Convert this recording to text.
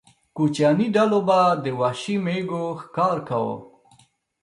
کوچیاني ډلو به د وحشي مېږو ښکار کاوه.